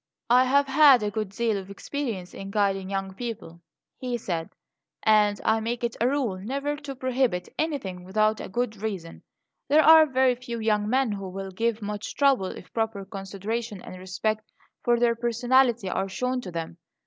"I have had a good deal of experience in guiding young people," he said; "and I make it a rule never to prohibit anything without a good reason. There are very few young men who will give much trouble if proper consideration and respect for their personality are shown to them.